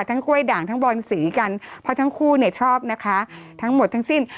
กล้วยด่างทั้งบอนสีกันเพราะทั้งคู่เนี่ยชอบนะคะทั้งหมดทั้งสิ้น